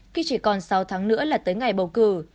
khi chỉ còn sáu tháng nữa là tới ngày bầu cử